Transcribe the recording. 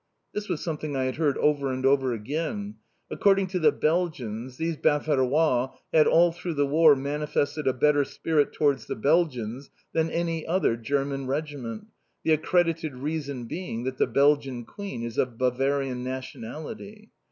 This was something I had heard over and over again. According to the Belgians, these Baverois had all through the War, manifested a better spirit towards the Belgians than any other German Regiment, the accredited reason being, that the Belgian Queen is of Bavarian nationality.